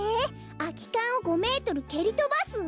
「空き缶を５メートル蹴りとばす」？